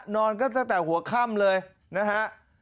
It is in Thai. นอนก็ตั้งแต่หัวค่ำเลยนะฮะ